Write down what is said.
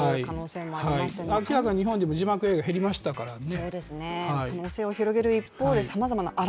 明らかに日本でも字幕映画、減りましたからね。